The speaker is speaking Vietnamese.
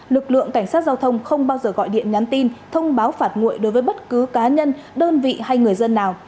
lực lượng cảnh sát giao thông không bao giờ gọi điện nhắn tin thông báo phạt nguội đối với bất cứ cá nhân đơn vị hay người dân nào